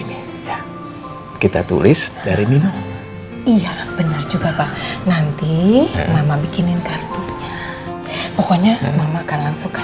ini kita tulis dari mino iya benar juga nanti mama bikinin kartunya pokoknya maka langsung